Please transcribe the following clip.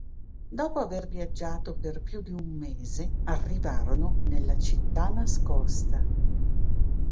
Dopo aver viaggiato per più di un mese, arrivarono nella città nascosta.